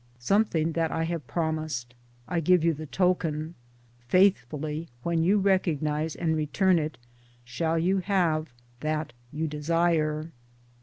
Something that I have promised. I give you the token. Faithfully when you recognise and return it shall you have that you desire.